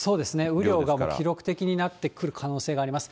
雨量がもう記録的になってくる可能性があります。